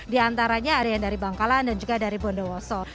di antaranya ada yang dari bangkalan dan juga dari bondowoso